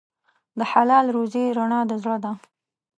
د حلال روزي رڼا د زړه ده.